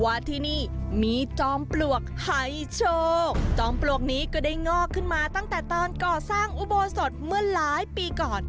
ว่าที่นี่มีจอมปลวกให้โชคจอมปลวกนี้ก็ได้งอกขึ้นมาตั้งแต่ตอนก่อสร้างอุโบสถเมื่อหลายปีก่อน